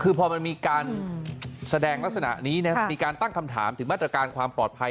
คือพอมันมีการแสดงลักษณะนี้มีการตั้งคำถามถึงมาตรการความปลอดภัย